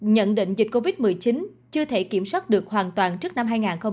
nhận định dịch covid một mươi chín chưa thể kiểm soát được hoàn toàn trước năm hai nghìn hai mươi